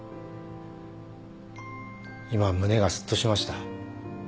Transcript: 今胸がスッとしました。